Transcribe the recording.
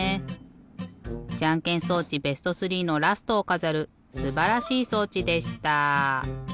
じゃんけん装置ベスト３のラストをかざるすばらしい装置でした。